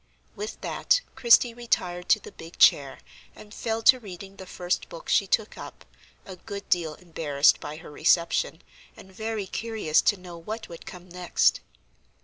With that Christie retired to the big chair, and fell to reading the first book she took up, a good deal embarrassed by her reception, and very curious to know what would come next.